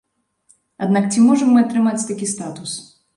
Аднак ці можам мы атрымаць такі статус?